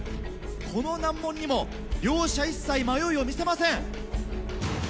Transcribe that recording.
この難問にも両者一切迷いを見せません。